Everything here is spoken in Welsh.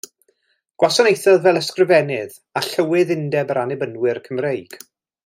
Gwasanaethodd fel Ysgrifennydd a Llywydd Undeb yr Annibynwyr Cymreig.